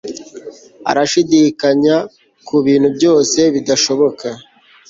arashidikanya kubintu byose bidashoboka